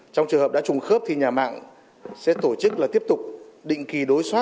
trong trường hợp đã trùng khớp không phiền tới người dân